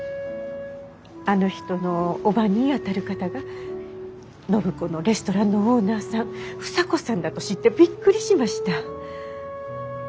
あの人の叔母にあたる方が暢子のレストランのオーナーさん房子さんだと知ってびっくりしました。